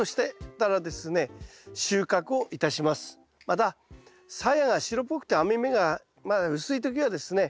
またさやが白っぽくて網目がまだ薄い時はですね